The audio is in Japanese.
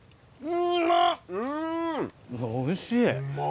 おいしい。